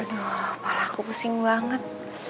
aduh malah aku pusing banget